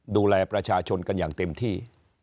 ดูแลประชาชนกันอย่างเต็มที่